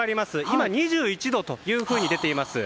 今２１度というふうに出ています。